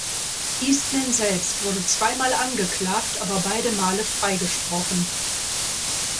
Eastman selbst wurde zweimal angeklagt, aber beide Male freigesprochen.